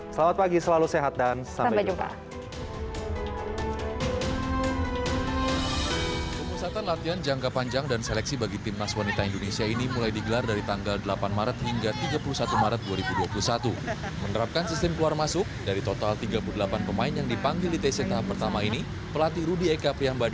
selamat pagi selalu sehat dan sampai jumpa